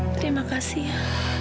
terima kasih ya